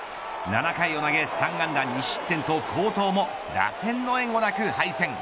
７回を投げ３安打２失点と好投も打線の援護なく敗戦。